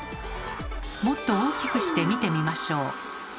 もっと大きくして見てみましょう。